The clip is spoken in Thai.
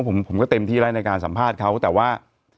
ผมก็เต็มที่แล้วในการสัมภาษณ์เขาแต่ว่า